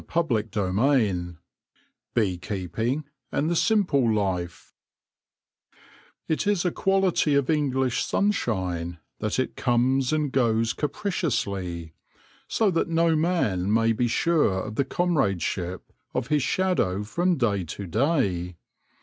CHAPTER XVII BEE KEEPING AND THE SIMPLE LIFE IT is a quality of English sunshine that it comes and goes capriciously, so that no man may be sure of the comradeship of his shadow from day to day.